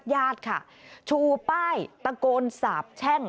ญาติค่ะชูป้ายตะโกนสาบแช่ง